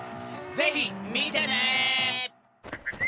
ぜひ見てね！